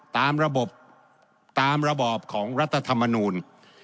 ตามระบบตามระบอบของรัฐธรรมนูล